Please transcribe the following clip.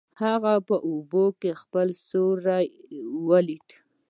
هغه په اوبو کې خپل سیوری ولید.